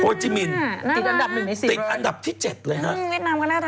โฮจิมินอังหารี่ด้าน๑๑๐เลยค่ะอังหารี่ด้าน๗